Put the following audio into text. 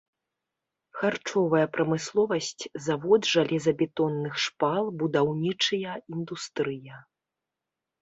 Харчовая прамысловасць, завод жалезабетонных шпал, будаўнічая індустрыя.